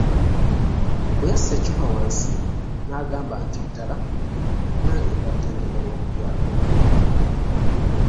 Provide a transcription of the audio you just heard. Bwe yassa eccupa wansi n'agamba nti ddala, nange mbadde njagala okulyako.